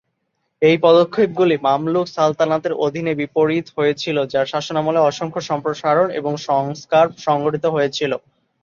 এই পদক্ষেপগুলি মামলুক সালতানাতের অধীনে বিপরীত হয়েছিল, যার শাসনামলে অসংখ্য সম্প্রসারণ এবং সংস্কার সংঘটিত হয়েছিল।